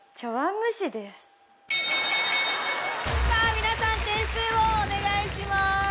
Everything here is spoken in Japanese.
皆さん点数をお願いします。